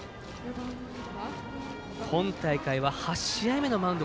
今大会は８試合目のマウンド